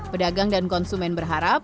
pedagang dan konsumen berharap